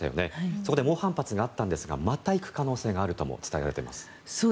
そこで猛反発があったんですがまた行く可能性があるとも伝えられています。